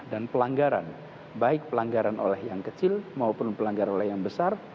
dan pelanggaran baik pelanggaran oleh yang kecil maupun pelanggar oleh yang besar